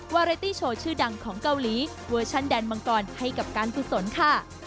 วาเรตี้โชว์ชื่อดังของเกาหลีเวอร์ชันแดนมังกรให้กับการกุศลค่ะ